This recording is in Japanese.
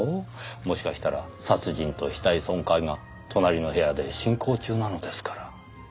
もしかしたら殺人と死体損壊が隣の部屋で進行中なのですから。